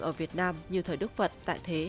ở việt nam như thời đức phật tại thế